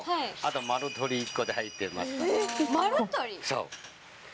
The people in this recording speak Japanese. そう。